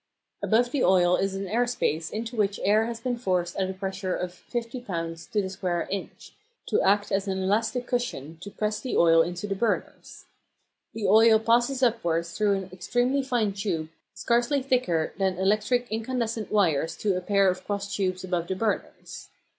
Above the oil is an air space into which air has been forced at a pressure of fifty lbs. to the square inch, to act as an elastic cushion to press the oil into the burners. The oil passes upwards through an extremely fine tube scarcely thicker than electric incandescent wires to a pair of cross tubes above the burners.